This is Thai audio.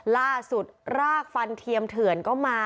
ล่าสุดรากฟันเทียมเถือนก็มา